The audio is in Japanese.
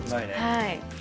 はい。